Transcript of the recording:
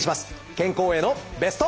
健康へのベスト。